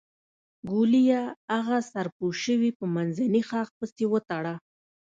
ګوليه اغه سر پوشوې په منځني شاخ پسې وتړه.